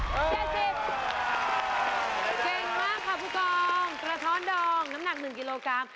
เก่งมากค่ะผู้กองกระท้อนดองน้ำหนัก๑กิโลกรัม